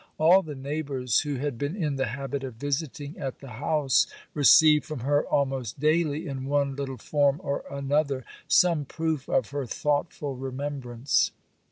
All the neighbours who had been in the habit of visiting at the house, received from her almost daily, in one little form or another, some proof of her thoughtful remembrance.